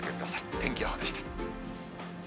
天気予報でした。